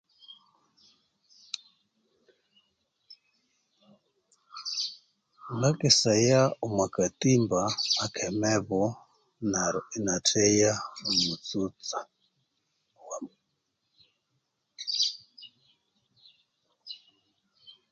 Ngakesaya omwa katimba ekemibu neru inatheya omutsutsa em